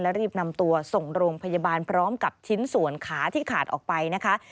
และรีบนำตัวส่งโรงพยาบาลพร้อมกับชิ้นส่วนขาที่ขาดออกไปนะคะ